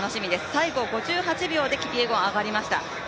最後５８秒でキピエゴン上がりました。